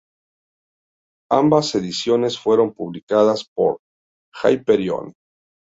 Ambas ediciones fueron publicadas por Hyperion.